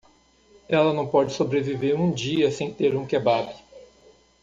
Ela não pode sobreviver um dia sem ter um kebab.